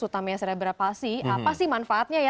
utamanya serebra pasi apa sih manfaatnya ya